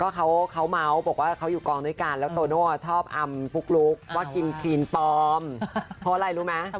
เขาสวยนะแล้วก็หุ่นดีด้วย